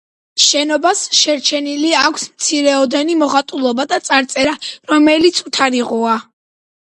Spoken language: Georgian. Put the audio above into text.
შენობას შერჩენილი აქვს მცირეოდენი მოხატულობა და წარწერა, რომელიც უთარიღოა.